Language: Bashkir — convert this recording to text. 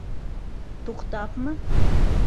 Туҡтапмы?